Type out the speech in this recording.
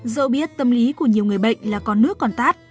dẫu biết tâm lý của nhiều người bệnh là có nước còn tát